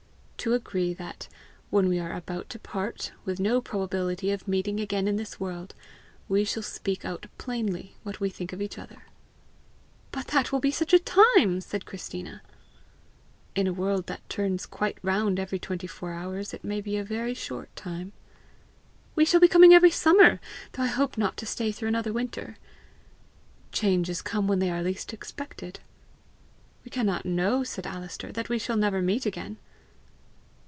"To agree that, when we are about to part, with no probability of meeting again in this world, we shall speak out plainly what we think of each other!" "But that will be such a time!" said Christina. "In a world that turns quite round every twenty four hours, it may be a very short time!" "We shall be coming every summer, though I hope not to stay through another winter!" "Changes come when they are least expected!" "We cannot know," said Alister, "that we shall never meet again!"